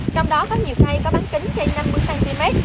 trong đó có nhiều cây có bánh kính trên năm mươi cm